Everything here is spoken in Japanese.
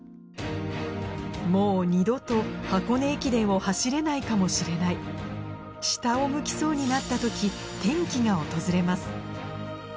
もう二度と箱根駅伝を走れないかもしれない下を向きそうになった時転機が訪れます